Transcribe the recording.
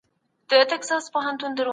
په لابراتوار کې د تورو د رنګ کیفیت وڅېړئ.